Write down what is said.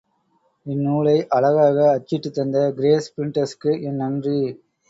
இந்நூலை அழகாக அச்சிட்டுத்தந்த கிரேஸ் பிரிண்டர்சுக்கு என் நன்றி.